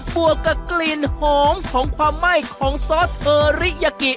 วกกับกลิ่นหอมของความไหม้ของซอสเทอริยากิ